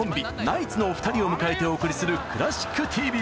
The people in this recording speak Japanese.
ナイツのお二人を迎えてお送りする「クラシックＴＶ」！